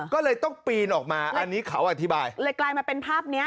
ก็เลยต้องปีนออกมาอันนี้เขาอธิบายเลยกลายมาเป็นภาพเนี้ย